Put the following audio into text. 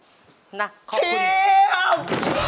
นะขอบคุณเชียบ